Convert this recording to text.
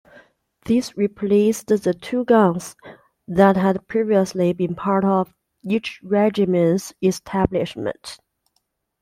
These replaced the two guns that had previously been part of each regiment's establishment.